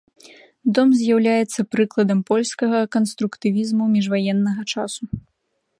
Дом з'яўляецца прыкладам польскага канструктывізму міжваеннага часу.